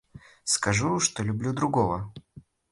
Скажу, что люблю другого?